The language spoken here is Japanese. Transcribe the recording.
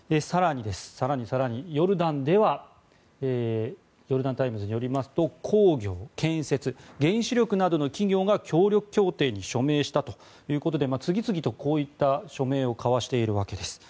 更に更にヨルダンではヨルダン・タイムズによりますと鉱業、建設、原子力などの企業が協力協定に署名したということで次々とこういった署名を交わしているわけです。